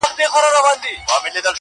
تر ننګرهار، تر کندهار ښکلی دی!